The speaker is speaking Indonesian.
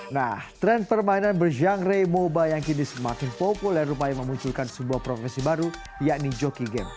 nah tren permainan bergenre mobile yang kini semakin populer rupanya memunculkan sebuah profesi baru yakni joki game